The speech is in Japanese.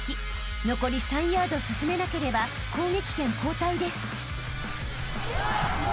［残り３ヤード進めなければ攻撃権交代です］